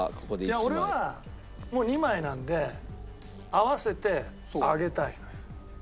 いや俺はもう２枚なので合わせて上げたいのよ。